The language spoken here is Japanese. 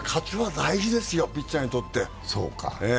いや、勝ちは大事ですよ、ピッチャーにとって。